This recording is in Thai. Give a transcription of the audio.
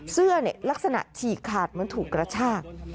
ลักษณะฉีกขาดเหมือนถูกกระชาก